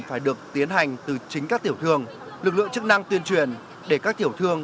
phải được tiến hành từ chính các tiểu thương lực lượng chức năng tuyên truyền để các tiểu thương